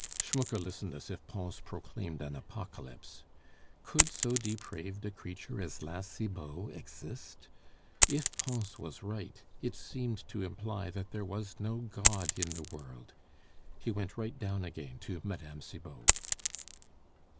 Schmucke listened as if Pons proclaimed an apocalypse. Could so depraved a creature as La Cibot exist? If Pons was right, it seemed to imply that there was no God in the world. He went right down again to Mme. Cibot.